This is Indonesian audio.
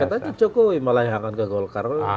katanya jokowi malah yang akan ke golkar lah